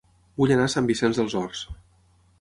Vull anar a Sant Vicenç dels Horts